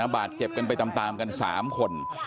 บาดเจ็บกันไปตามกัน๓คน